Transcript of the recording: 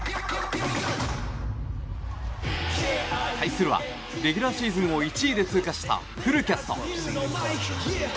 対するはレギュラーシーズンを１位で通過したフルキャスト。